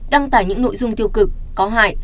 đăng tải những nội dung tiêu cực có hại